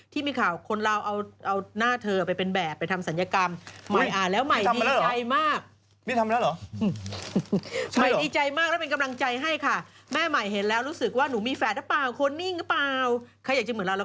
ที่มีข่าวคนเราเอาหน้าเธอไปเป็นแบบไปทำศัลยกรรม